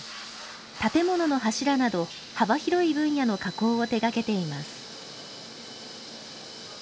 建物の柱など幅広い分野の加工を手がけています。